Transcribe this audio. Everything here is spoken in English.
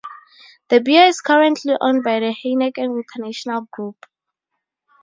The beer is currently owned by the Heineken International group.